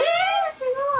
すごい！